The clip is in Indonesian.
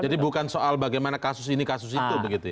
jadi bukan soal bagaimana kasus ini kasus itu begitu ya